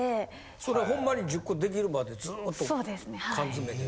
それはほんまに１０個出来るまでずっと缶詰で。